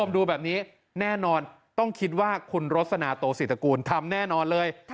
ดูแบบนี้แน่นอนต้องคิดว่าคุณรสนาโตศิตระกูลทำแน่นอนเลย